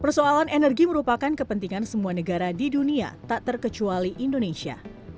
persoalan energi merupakan kepentingan semua negara di dunia tak terkecuali indonesia